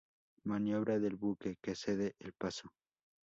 Maniobra del buque que cede el paso.